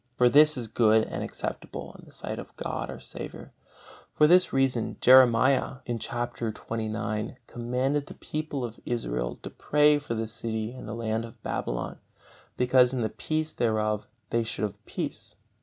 For this is good and acceptable in the sight of God our Saviour." For this reason Jeremiah, chapter xxix, commanded the people of Israel to pray for the city and land of Babylon, because in the peace thereof they should have peace.